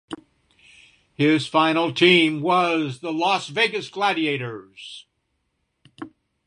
His final team was the Las Vegas Gladiators.